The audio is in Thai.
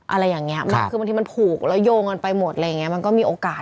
อะไรอย่างนี้บางทีมันผูก